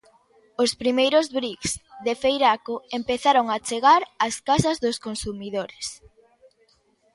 Os primeiros briks de Feiraco empezaron a chegar ás casas dos consumidores.